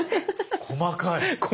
細かい。